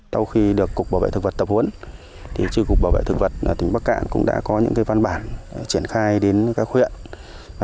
sau khi được cục bảo vệ thực vật tập huấn tri cục bảo vệ thực vật tỉnh bắc cạn cũng đã có những văn bản triển khai đến các huyện